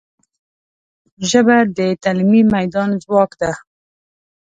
ژبه د تعلیمي میدان ځواک ده